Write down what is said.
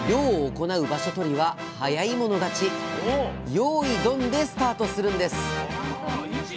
よいどん！でスタートするんです。